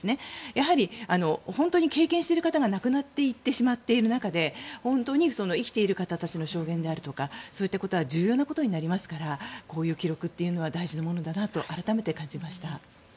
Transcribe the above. やはり本当に経験している方が亡くなっていってしまっている中で生きている方たちの証言であるとかそういったことは重要なことになりますからこういう記録というのは大事なことだなと改めて感じました。